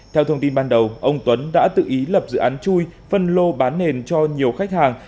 theo thông tin ban đầu ông tuấn đã tự ý lập dự án chui phân lô bán nền cho nhiều khách hàng